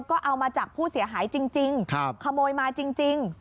ก็เอามาจากผู้เสียหายจริงขโมยมาจริง